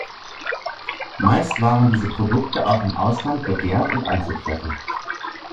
Meist waren diese Produkte auch im Ausland begehrt und anzutreffen.